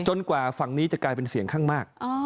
กว่าฝั่งนี้จะกลายเป็นเสียงข้างมาก